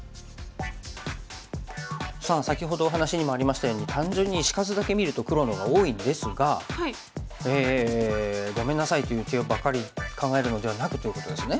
さあ先ほどお話にもありましたように単純に石数だけ見ると黒の方が多いんですが「ごめんなさい」という手ばかり考えるのではなくということですね。